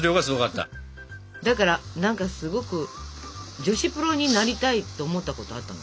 だから何かすごく女子プロになりたいと思ったことがあったの。